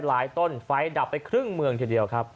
ต้นไฟดับไปครึ่งเมืองทีเดียวครับ